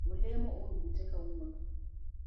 Olemo orumo tee kawuono.